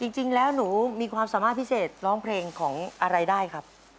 จริงแล้วหนูมีความสามารถพิเศษร้องเพลงของอะไรได้ครับ